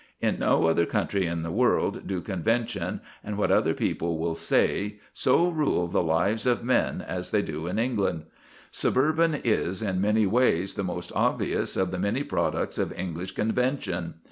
In no other country in the world do convention and what other people will say so rule the lives of men as they do in England. Suburbanism is in many ways the most obvious of the many products of English convention.